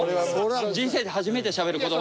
人生で初めてしゃべる言葉。